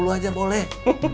kalau aceh mah boleh